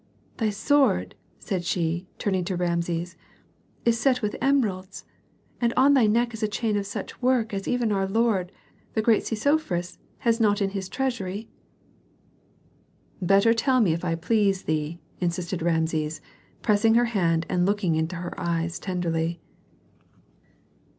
Thy sword," said she, turning to Rameses, "is set with emeralds, and on thy neck is a chain of such work as even our lord, the great Sesofris, has not in his treasury." "Better tell me if I please thee," insisted Rameses, pressing her hand and looking into her eyes tenderly.